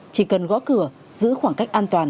chỉ cần gõ cửa giữ khoảng cách an toàn